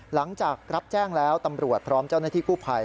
หลังจากรับแจ้งแล้วตำรวจพร้อมเจ้าหน้าที่กู้ภัย